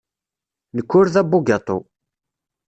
Nekk ur d abugaṭu.